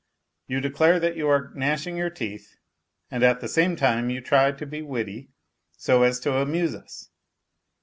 You declare that you are gnashing your teeth and at the same time you try to be witty so as to amuse us.